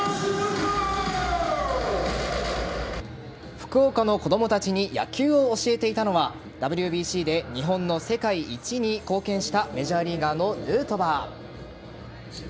福岡の子供たちに野球を教えていたのはＷＢＣで日本の世界一に貢献したメジャーリーガーのヌートバー。